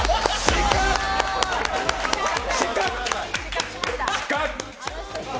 失格！